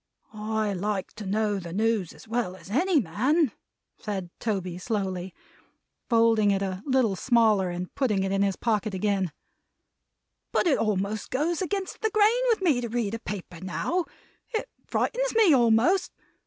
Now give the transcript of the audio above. I like to know the news as well as any man," said Toby, slowly; folding it a little smaller, and putting it in his pocket again: "but it almost goes against the grain with me to read a paper now. It frightens me almost.